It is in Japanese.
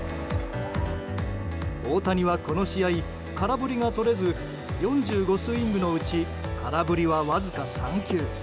大谷はこの試合、空振りが取れず４５スイングのうち空振りは、わずか３球。